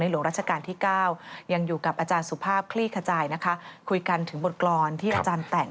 หลวงราชการที่๙ยังอยู่กับอาจารย์สุภาพคลี่ขจายนะคะคุยกันถึงบทกรรมที่อาจารย์แต่ง